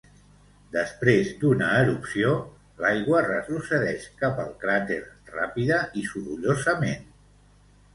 Després d'una erupció, l'aigua retrocedeix cap al cràter ràpida i sorollosament.